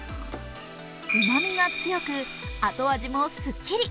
うまみが強く後味もすっきり。